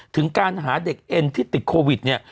ถึงการหาเด็กเอ็นที่ติดโควิดเนี่ย